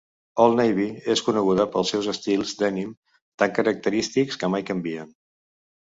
Old Navy és coneguda pels seus estils denim tan característics que mai canvien.